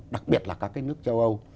đặc biệt là các cái nước châu âu